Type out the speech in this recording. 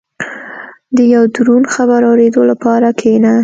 • د یو دروند خبر اورېدو لپاره کښېنه.